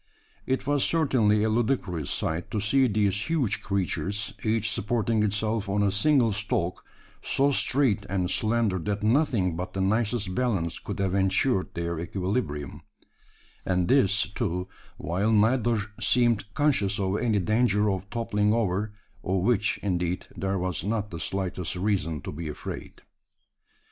It was certainly a ludicrous sight to see these huge creatures each supporting itself on a single stalk, so straight and slender that nothing but the nicest balance could have ensured their equilibrium; and this, too, while neither seemed conscious of any danger of toppling over of which, indeed, there was not the slightest reason to be afraid.